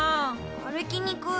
歩きにくい。